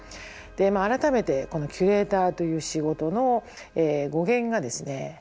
改めてキュレーターという仕事の語源がですね